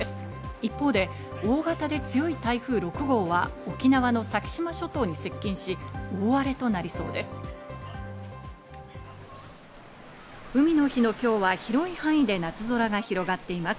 一方で、大型で強い台風６号は沖縄の先島諸島に接近し大荒れとなりそうです。